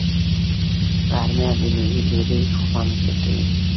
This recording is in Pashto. غرمه د نیوي ډوډۍ خوند زیاتوي